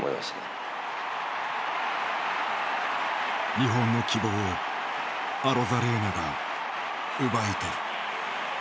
日本の希望をアロザレーナが奪い取る。